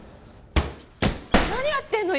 何やってんの？